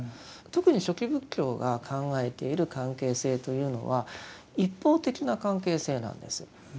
特に初期仏教が考えている関係性というのは一方的な関係性なんです。